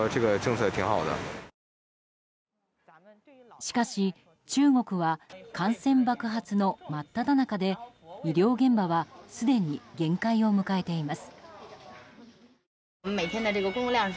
しかし、中国は感染爆発の真っただ中で医療現場はすでに限界を迎えています。